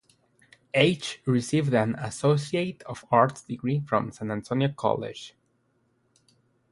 H received an Associate of Arts degree from San Antonio College.